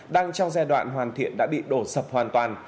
đang trong giai đoạn hoàn thiện đã bị đổ sập hoàn toàn